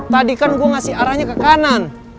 tadi kan gue ngasih arahnya ke kanan